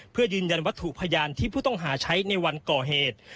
เพื่อยืนยันวัตถุพยานที่ผู้ต้องหาใช้ในวันก่อเหตุ